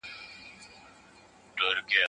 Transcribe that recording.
واوری دا د زړه په غوږ، پیغام د پېړۍ څه وايي